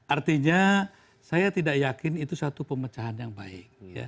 artinya saya tidak yakin itu satu pemecahan yang baik